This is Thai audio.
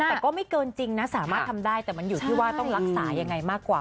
แต่ก็ไม่เกินจริงนะสามารถทำได้แต่มันอยู่ที่ว่าต้องรักษายังไงมากกว่า